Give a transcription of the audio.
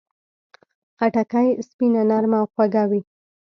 خټکی سپینه، نرمه او خوږه وي.